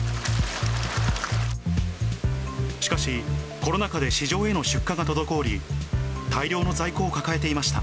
しかし、コロナ禍で市場への出荷が滞り、大量の在庫を抱えていました。